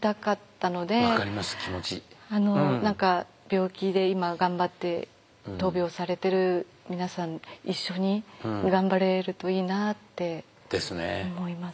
病気で今頑張って闘病されてる皆さん一緒に頑張れるといいなって思います。